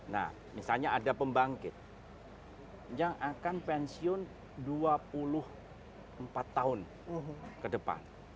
nah misalnya ada pembangkit yang akan pensiun dua puluh empat tahun ke depan